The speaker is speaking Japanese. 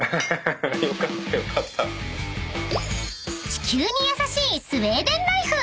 ［地球に優しいスウェーデンライフ］